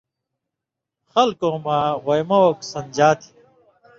خلکؤں مہ غویمہ اوک سَںدژا تھی۔